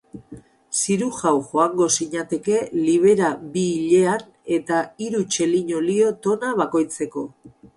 Zirujau joango zinateke, libera bi hilean, eta hiru txelin olio tona bakoitzeko.